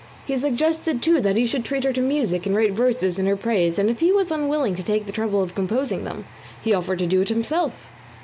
He suggested, too, that he should treat her to music, and write verses in her praise, and if he was unwilling to take the trouble of composing them, he offered to do it himself.